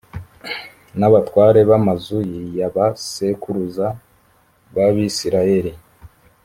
n abatware b amazu ya ba sekuruza b abisirayeli